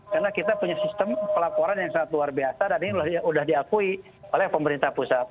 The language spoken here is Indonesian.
karena kita punya sistem pelaporan yang sangat luar biasa dan ini sudah diakui oleh pemerintah pusat